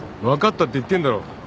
分かったって言ってんだろ。